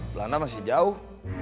belanda masih jauh